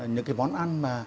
những cái món ăn mà